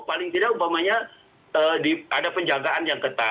paling tidak umpamanya ada penjagaan yang ketat